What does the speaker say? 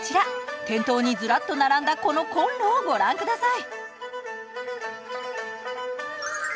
店頭にずらっと並んだこのコンロをご覧ください。